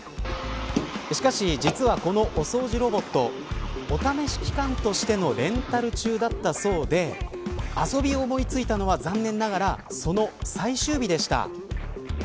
しかし、実はこのお掃除ロボットお試し期間としてのレンタル中だったそうで遊びを思いついたのは残念ながら、その最終日でした。